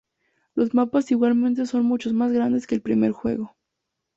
Los mapas igualmente son mucho más grandes que el primer juego.